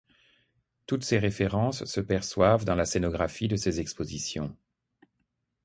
Toutes ces références se perçoivent dans la scénographie de ses expositions.